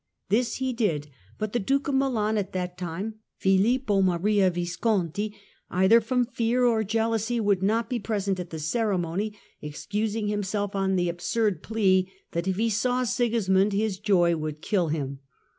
This he did ; but the Duke of Milan, at that time Filippo Maria Visconti, either from fear or jealousy, would not be present at the ceremony, excusing himself on the absurd plea that if he saw Sigismund his joy would kill him.